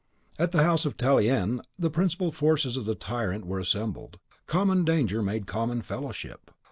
.... At the house of Tallien the principal foes of the tyrant were assembled. Common danger made common fellowship.